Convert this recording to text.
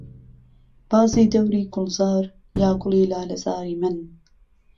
بازی دهوری گوڵزار یا گوڵی لالهزاری من